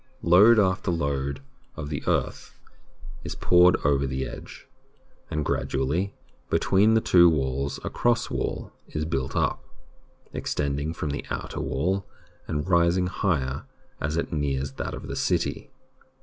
Load after load of the earth is poured over the edge, and gradually between the two walls a cross wall is built up, ex tending from the outer wall and rising higher as it nears that of the city.